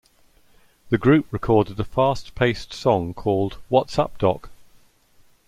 The group recorded a fast-paced song called What's up, Doc?